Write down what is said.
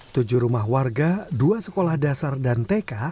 tujuh rumah warga dua sekolah dasar dan tk